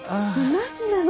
何なの？